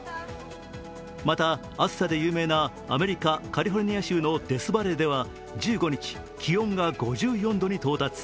また暑さで有名なアメリカ・カリフォルニア州のデスバレーでは１５日、気温が５４度に到達。